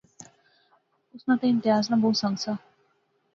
اس ناں تہ امتیاز ناں بہوں سنگ سا